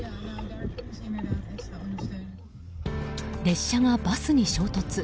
列車がバスに衝突。